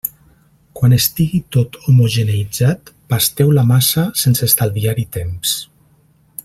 Quan estigui tot homogeneïtzat, pasteu la massa sense estalviar-hi temps.